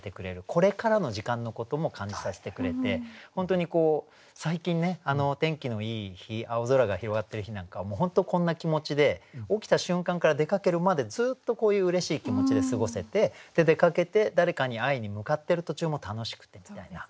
これからの時間のことも感じさせてくれて本当に最近ねお天気のいい日青空が広がってる日なんかは本当こんな気持ちで起きた瞬間から出かけるまでずっとこういううれしい気持ちで過ごせて出かけて誰かに会いに向かってる途中も楽しくてみたいな。